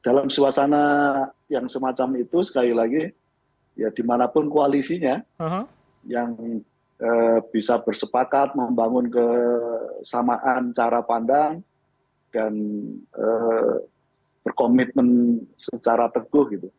dalam suasana yang semacam itu sekali lagi ya dimanapun koalisinya yang bisa bersepakat membangun kesamaan cara pandang dan berkomitmen secara teguh gitu